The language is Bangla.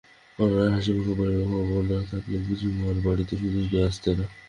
মনোরমা হাসিমুখে বলিল, খবর না থাকলে বুঝি মার বাড়িতে শুধু শুধু আসতে নেই?